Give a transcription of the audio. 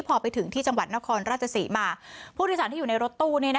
พอไปถึงที่จังหวัดนครราชศรีมาผู้โดยสารที่อยู่ในรถตู้